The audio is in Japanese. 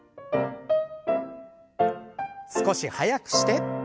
少し速くして。